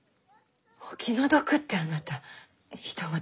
お気の毒ってあなたひと事みたいに。